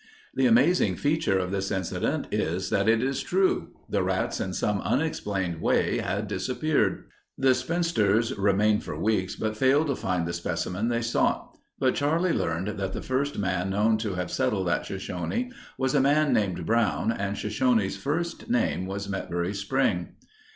The amazing feature of this incident is that it is true. The rats in some unexplained way had disappeared. The spinsters remained for weeks but failed to find the specimen they sought, but Charlie learned that the first man known to have settled at Shoshone was a man named Brown and Shoshone's first name was Metbury Spring.